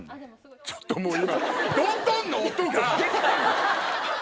ちょっともう今。